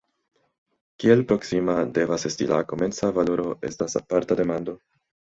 Kiel proksima devas esti la komenca valoro estas aparta demando.